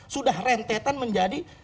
sudah rentetan menjadi